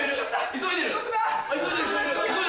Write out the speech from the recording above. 急いでる！